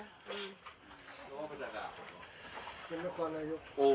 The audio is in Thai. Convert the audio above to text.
มองหน้าลูกหน่อย